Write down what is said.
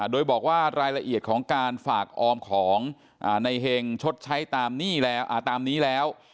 โดยบอกว่ารายละเอียดของการฝากออมของในเห็งชดใช้ตามนี้แล้ว